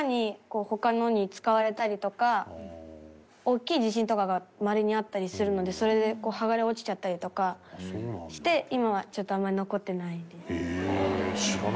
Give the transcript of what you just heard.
大きい地震とかがまれにあったりするのでそれで剥がれ落ちちゃったりとかして今はちょっとあんまり残ってないです。